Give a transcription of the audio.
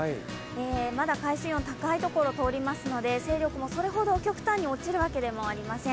まだ海水温が高いところを通りますので、勢力もそれほど極端に落ちるわけではありません。